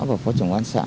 và phó trưởng công an xã